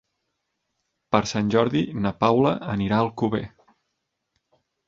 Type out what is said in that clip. Per Sant Jordi na Paula anirà a Alcover.